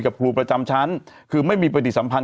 ครูประจำชั้นคือไม่มีปฏิสัมพันธ